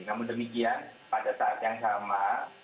namun demikian pada saat yang sama